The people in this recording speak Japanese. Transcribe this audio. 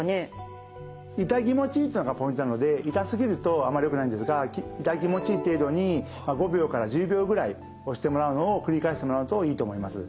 痛気持ちいいというのがポイントなので痛すぎるとあんまりよくないんですが痛気持ちいい程度に５秒から１０秒ぐらい押してもらうのを繰り返してもらうといいと思います。